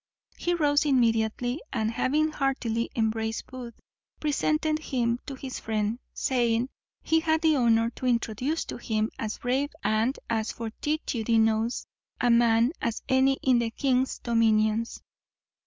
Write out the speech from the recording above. He rose immediately, and, having heartily embraced Booth, presented him to his friend, saying, he had the honour to introduce to him as brave and as fortitudinous a man as any in the king's dominions.